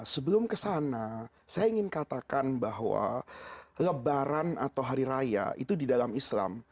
sebelum kesana saya ingin katakan bahwa lebaran atau hari raya itu di dalam islam